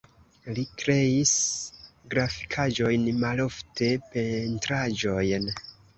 Li kreis grafikaĵojn, malofte pentraĵojn.